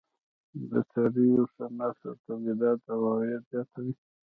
د څارويو ښه نسل تولیدات او عاید زیاتوي.